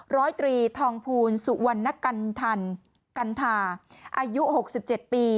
ร้อยตรีทองพูลสุวรรณกัณฑาอายุ๖๗ปี